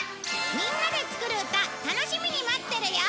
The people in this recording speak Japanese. みんなで作る歌楽しみに待ってるよ！